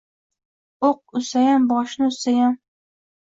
Oʻq uzsayam, boshin uzsayam